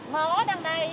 ngó đằng này